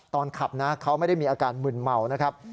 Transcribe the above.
ตอนขับนะเขาไม่ได้มีอาการมึนเมานะครับ